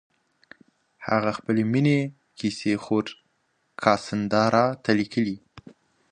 هغې خپلې مینې کیسې خور کاساندرا ته لیکلې.